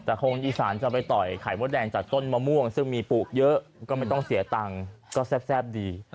แต่คนอีสานจะไปต่อยไข่มดแดงจากต้นมะม่วงซึ่งมีปลูกเยอะก็ไม่ต้องเสียตังค์ก็แซ่บดี